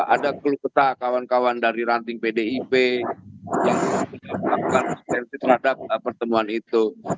ada keluh peta kawan kawan dari ranting pdip yang melakukan atensif terhadap pertemuan itu